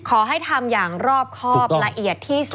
ขอให้ทำอย่างรอบครอบละเอียดที่สุด